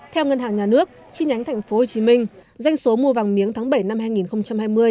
theo ngân hàng nhà nước chi nhánh tp hcm doanh số mua vàng miếng tháng bảy năm hai nghìn hai mươi